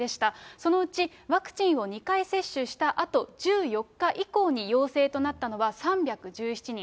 そのうちワクチンを２回接種したあと１４日以降に陽性となったのは３１７人。